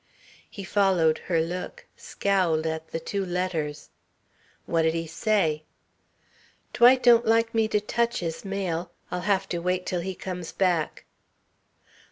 He followed her look, scowled at the two letters. "What'd he say?" "Dwight don't like me to touch his mail. I'll have to wait till he comes back."